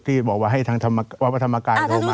ที่บอกว่าให้ทางวัดพระธรรมกายโทรมา